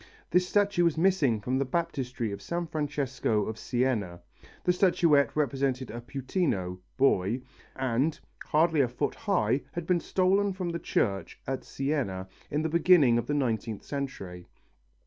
This statue was missing from the baptistery of San Francesco of Siena. The statuette represented a puttino (boy) and, hardly a foot high, had been stolen from the church at Siena in the beginning of the nineteenth century.